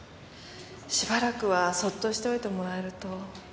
しばらくはそっとしておいてもらえると。